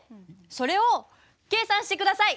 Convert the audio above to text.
それを計算して下さい！